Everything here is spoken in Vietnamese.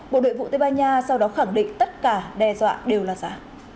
bộ đội vụ tây ban nha sau đó khẳng định tất cả đe dọa đều là giả